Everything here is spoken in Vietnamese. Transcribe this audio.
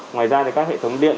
ngoài ra thì các hệ thống điện